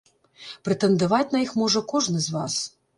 Прэтэндаваць на іх можа кожны з вас.